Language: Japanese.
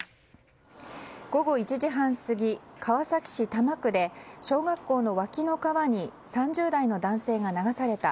午後１時半過ぎ、川崎市多摩区で小学校の脇の川に３０代の男性が流された。